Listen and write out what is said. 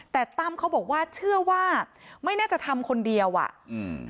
แต่ตั้มเขาบอกว่าเชื่อว่าไม่น่าจะทำคนเดียวอ่ะอืม